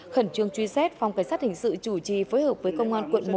khẩn trương truy xét phòng cảnh sát hình sự chủ trì phối hợp với công an quận một